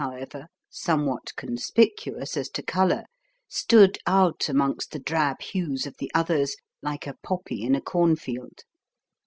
however, somewhat conspicuous as to colour, stood out amongst the drab hues of the others, like a poppy in a cornfield.